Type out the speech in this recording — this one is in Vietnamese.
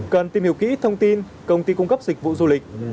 cần tìm hiểu kỹ thông tin công ty cung cấp dịch vụ du lịch